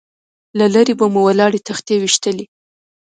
له لرې به مو ولاړې تختې ويشتلې.